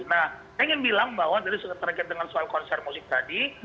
nah saya ingin bilang bahwa terkait dengan soal konser musik tadi